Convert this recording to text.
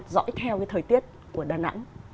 dõi theo thời tiết của đà nẵng